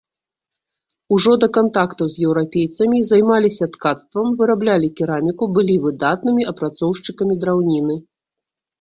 Ужо да кантактаў з еўрапейцамі займаліся ткацтвам, выраблялі кераміку, былі выдатнымі апрацоўшчыкамі драўніны.